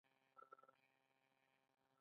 آیا دوی شعر او ادب ته ارزښت نه ورکوي؟